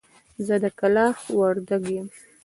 زه د کلاخ وردک يم.